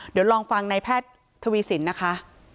เดี๋ยวลองฟังในแพทย์ทวีสินนะคะ